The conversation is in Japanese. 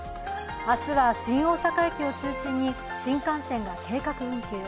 明日は新大阪駅を中心に新幹線が計画運休。